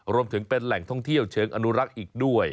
รวมถึงเป็นแหล่งท่องเที่ยวเชิงอนุรักษ์อีกด้วย